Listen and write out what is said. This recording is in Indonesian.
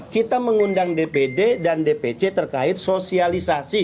kita mengundang dpd dan dpc terkait sosialisasi